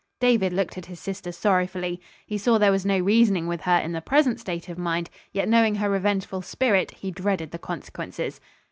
David looked at his sister sorrowfully. He saw there was no reasoning with her in her present state of mind; yet knowing her revengeful spirit, he dreaded the consequences.